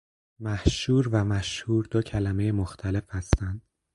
محشور و مشهور دو کلمه مختلف هستند